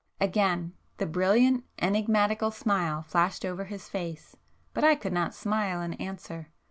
Again the brilliant enigmatical smile flashed over his face,—but I could not smile in answer.